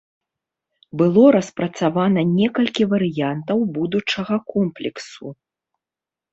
Было распрацавана некалькі варыянтаў будучага комплексу.